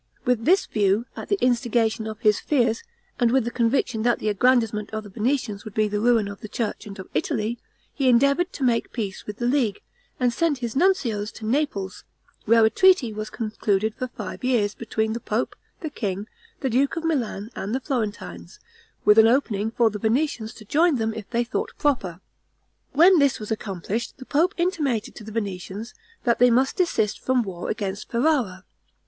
With this view, at the instigation of his fears, and with the conviction that the aggrandizement of the Venetians would be the ruin of the church and of Italy, he endeavored to make peace with the League, and sent his nuncios to Naples, where a treaty was concluded for five years, between the pope, the king, the duke of Milan, and the Florentines, with an opening for the Venetians to join them if they thought proper. When this was accomplished, the pope intimated to the Venetians, that they must desist from war against Ferrara.